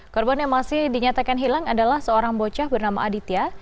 korban yang masih dinyatakan hilang adalah seorang bocah bernama aditya